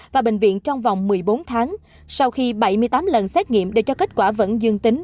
và bệnh viện trong vòng một mươi bốn tháng sau khi bảy mươi tám lần xét nghiệm đều cho kết quả vẫn dương tính